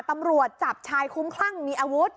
ตำรวจจับชายคุ้มคลั่งมีอาวุธ